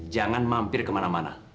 jangan mampir kemana mana